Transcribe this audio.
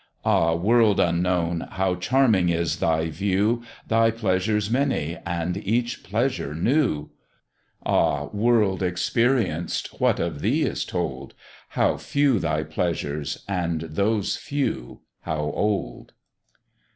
Ah! world unknown! how charming is thy view, Thy pleasures many, and each pleasure new: Ah! world experienced! what of thee is told? How few thy pleasures, and those few how old!